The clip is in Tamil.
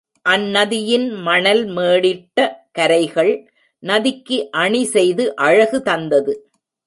அந் நதியில் மணல் மேடிட்ட கரைகள் நதிக்கு அணி செய்து அழகு தந்தது.